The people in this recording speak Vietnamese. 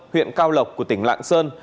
huyện cao lộc của tỉnh lạng sơn